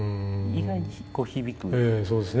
意外にこう響く。